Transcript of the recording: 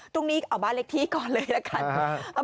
ตรงนี้เอาบาสเล็กที่ก่อนเลยอะ